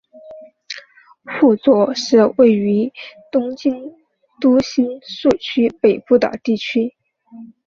户冢是位于东京都新宿区北部的地区。